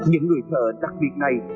những người thợ đặc biệt này